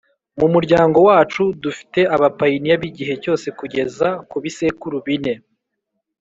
Mu muryango wacu dufte abapayiniya b’igihe cyose kugeza ku bisekuru bine